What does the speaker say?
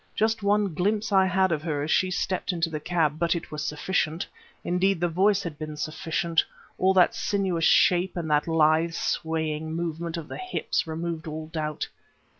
Just one glimpse I had of her as she stepped into the cab, but it was sufficient. Indeed, the voice had been sufficient; but that sinuous shape and that lithe swaying movement of the hips removed all doubt.